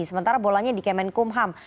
sementara bolanya di kemenkum ham